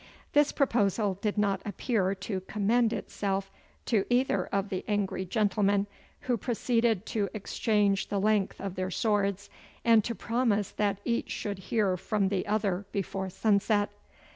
This proposal did not appear to commend itself to either of the angry gentlemen, who proceeded to exchange the length of their swords, and to promise that each should hear from the other before sunset.